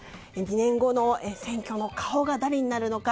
２年後の選挙の顔が誰になるのか